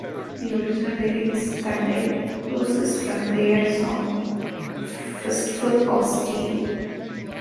The original lyrics contained verses from their song "Fistful of Steel".